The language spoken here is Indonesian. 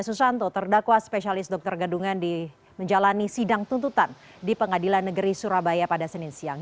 susanto terdakwa spesialis dokter gadungan menjalani sidang tuntutan di pengadilan negeri surabaya pada senin siang